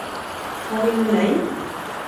Vad vill du mig?